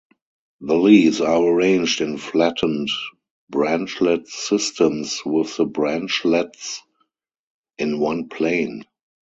The leaves are arranged in flattened branchlet systems, with the branchlets in one plane.